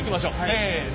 せの。